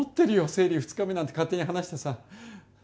生理２日目なんて勝手に話してさ。